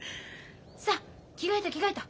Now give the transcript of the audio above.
さっ着替えた着替えた。